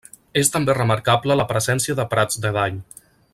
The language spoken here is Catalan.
És també remarcable la presència de prats de dall.